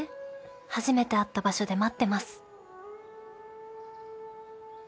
初めて会った場所で待ってます」。